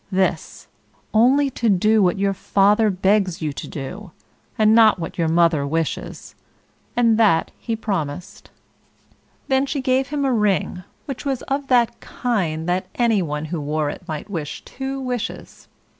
This only to do what your father begs you to do, and not what mother wishes;" and that he promised. Then she gave him a ring, which was of that kind that any one who wore it might wish two wishes.